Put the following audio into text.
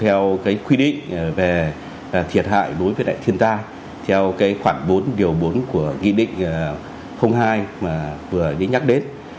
theo cái quy định về thiệt hại đối với đại thiên gia theo cái khoảng bốn điều bốn của ghi định hai mà vừa nhắc đến